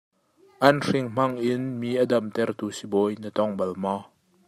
Anhring hmang in mi a damter tu sibawi na tong balmaw?